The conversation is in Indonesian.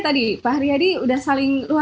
tadi pak ria di udah saling